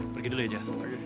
pergi dulu aja